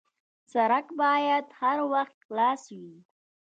سړک باید هر وخت خلاص وي.